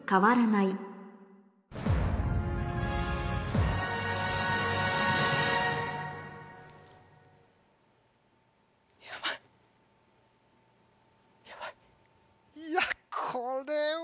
いやこれは。